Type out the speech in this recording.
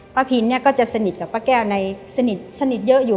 ป้าพินก็จะสนิทกับป้าแก้วในสนิทเยอะอยู่